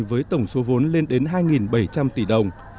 với tổng số vốn lên đến hai bảy trăm linh tỷ đồng